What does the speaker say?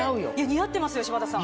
似合ってますよ柴田さん。